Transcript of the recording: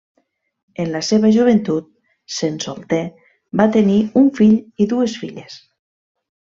En la seva joventut, sent solter, va tenir un fill i dues filles.